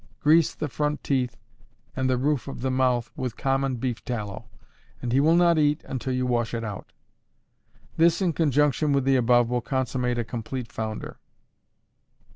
_ Grease the front teeth and the roof of the mouth with common beef tallow, and he will not eat until you wash it out; this in conjunction with the above will consummate a complete founder.